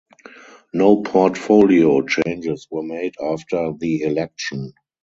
No portfolio changes were made after the election.